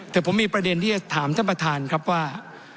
แต่ผมมีประเด็นที่จะถามท่านประธานครับว่า